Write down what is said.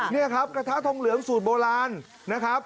นี่ครับกระทะทองเหลืองสูตรโบราณนะครับ